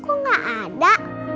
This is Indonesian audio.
aku nggak ada